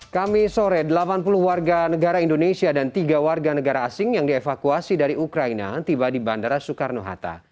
kami sore delapan puluh warga negara indonesia dan tiga warga negara asing yang dievakuasi dari ukraina tiba di bandara soekarno hatta